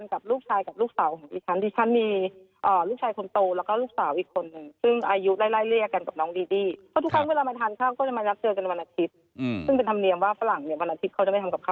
ข้าจะไปทานข้าวข้างนอกก็จะเจอกันทุกวันอาทิตย์และเด็กก็จะเร่งกัน